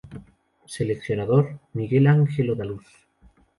Seleccionador: Miguel Ângelo da Luz